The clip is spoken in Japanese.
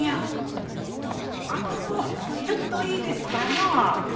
あのちょっといいですかのう。